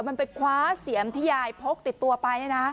มันไปคว้าเสียมที่ยายพกติดตัวไป